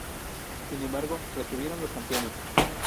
Sin embargo, retuvieron los campeones.